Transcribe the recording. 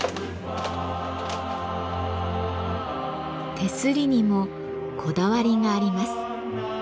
手すりにもこだわりがあります。